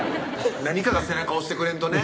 何かが背中押してくれんとね